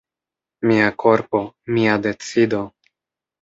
"Mia korpo, mia decido."